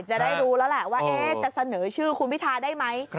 จะได้รู้แล้วแหละว่าจะเสนอชื่อคุณพิทาได้ไหม